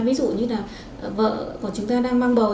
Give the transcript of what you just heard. ví dụ như là vợ của chúng ta đang mang bầu